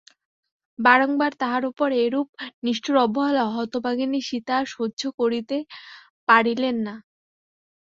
বারংবার তাঁহার উপর এরূপ নিষ্ঠুর অবহেলা হতভাগিনী সীতা আর সহ্য করিতে পারিলেন না।